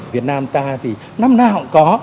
việt nam ta thì năm nào cũng có